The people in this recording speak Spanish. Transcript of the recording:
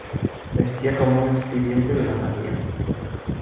Vestía como un escribiente de notaria.